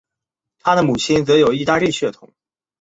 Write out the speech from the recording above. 他的母亲则有意大利血统。